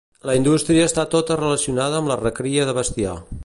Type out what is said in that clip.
La indústria està tota relacionada amb la recria de bestiar.